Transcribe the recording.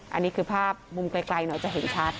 อันนี้คือภาพมุมไกลหน่อยจะเห็นชัด